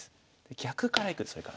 逆からいくんですそれから。